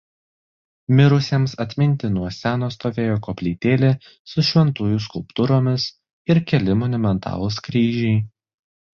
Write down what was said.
Mirusiems atminti nuo seno stovėjo koplytėlė su šventųjų skulptūromis ir keli monumentalūs kryžiai.